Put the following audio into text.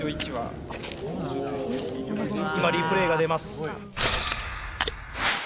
今リプレーが出ます。